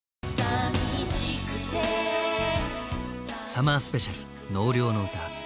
「サマースペシャル納涼のうた」。